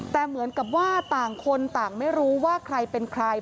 แต่เหมือนกับว่าต่างคนต่างไม่รู้ว่าใครเป็นใคร